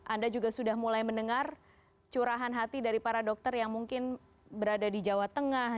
anda juga sudah mulai mendengar curahan hati dari para dokter yang mungkin berada di jawa tengah